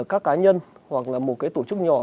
các cá nhân hoặc là một cái tổ chức nhỏ